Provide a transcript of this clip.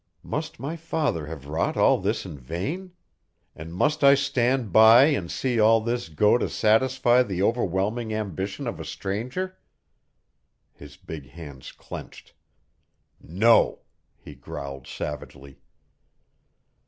Must my father have wrought all this in vain? And must I stand by and see all this go to satisfy the overwhelming ambition of a stranger?" His big hands clenched. "No!" he growled savagely.